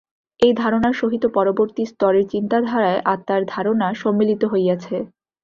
এই ধারণার সহিত পরবর্তী স্তরের চিন্তাধারায় আত্মার ধারণা সম্মিলিত হইয়াছে।